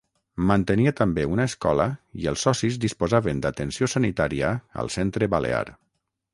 Mantenia també una escola i els socis disposaven d'atenció sanitària al Centre Balear.